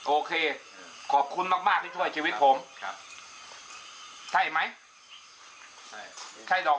โอเคขอบคุณมากมากที่ช่วยชีวิตผมครับใช่ไหมใช่ใช่ดอก